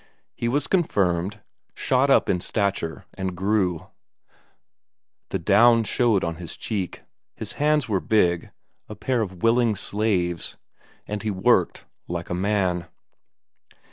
He was confirmed, shot up in stature, and grew; the down showed on his cheek, his hands were big, a pair of willing slaves. And he worked like a man.